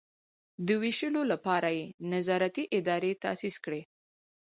د ویشلو لپاره یې نظارتي ادارې تاسیس کړي.